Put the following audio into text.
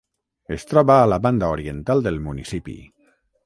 Es troba a la banda oriental del municipi.